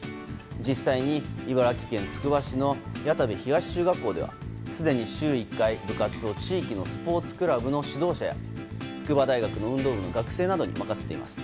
実際に茨城県つくば市の谷田部東中学校ではすでに週１回、部活の地域のスポーツクラブの指導者や筑波大学の運動部の学生などに任せています。